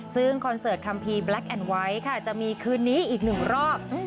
ซึ่งคอนเสิร์ตคัมภีร์แบล็คแอนด์ไวท์ค่ะจะมีคืนนี้อีกหนึ่งรอบ